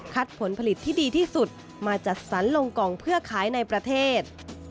ผลผลิตที่ดีที่สุดมาจัดสรรลงกล่องเพื่อขายในประเทศ